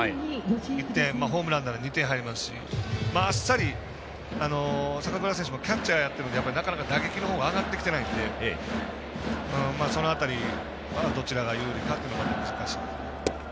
１点、ホームランなら２点、入りますしあっさり、坂倉選手もキャッチャーやってるので打撃のほうが上がってきてないのでその辺りはどちらが有利かというのは難しい。